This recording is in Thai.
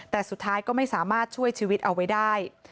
แต่สุดท้ายก็ไม่สามารถช่วยชีวิตเอาไว้ได้